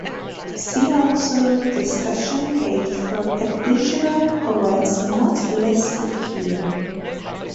See also Discussion Page for additional poets not listed here.